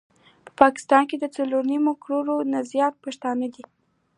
په پاکستان کي د څلور نيم کروړ نه زيات پښتانه دي